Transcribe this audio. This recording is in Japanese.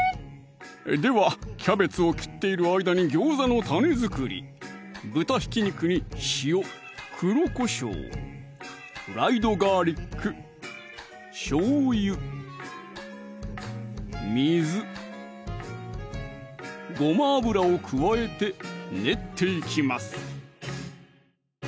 ではキャベツを切っている間に餃子のタネ作り豚ひき肉に塩・黒こしょう・フライドガーリック・しょうゆ・水・ごま油を加えて練っていきます